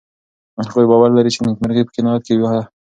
هغوی باور لري چې نېکمرغي په قناعت کې ده.